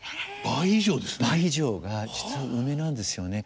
倍以上が実は梅なんですよね。